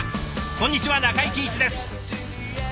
こんにちは中井貴一です。